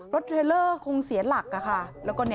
รถเทรเลอร์คงเสียหลักอ่ะค่ะ